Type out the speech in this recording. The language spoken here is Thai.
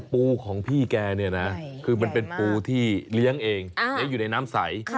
ปูของพี่แกเนี่ยนะคือมันเป็นปูที่เลี้ยงเองเลี้ยงอยู่ในน้ำใส